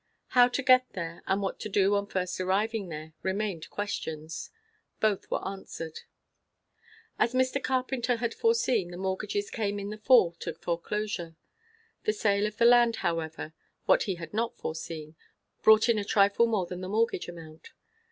How to get there, and what to do on first arriving there, remained questions. Both were answered. As Mr. Carpenter had foreseen, the mortgages came in the fall to foreclosure. The sale of the land, however, what he had not foreseen, brought in a trifle more than the mortgage amount.